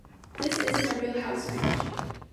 This isn't a real house match.